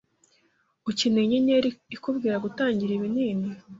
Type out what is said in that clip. Ukeneye inyenyeri ikubwira gutangira ibinini